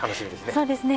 そうですね。